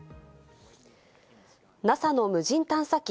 ＮＡＳＡの無人探査機